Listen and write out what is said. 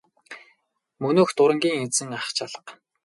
Мөнөөх дурангийн эзэн ах ч алга.